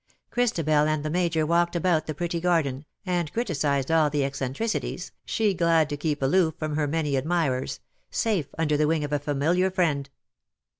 Christabel and the Major walked about the pretty garden^, and criticized all the eccentricities^ she glad to keep aloof from her many admirers — safe under the wing of a familiar friend.